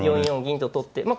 ４四銀と取って。